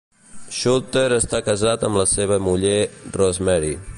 Schulter està casat amb la seva muller Rosemary.